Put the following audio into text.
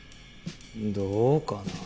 どうかなあ。